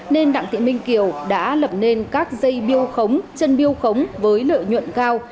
nên đặng thị minh kiều đã lập nên các dây biêu khống chân biêu khống với lợi nhuận cao